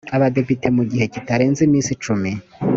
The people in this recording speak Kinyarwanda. abadepite mu gihe kitarenze iminsi cumi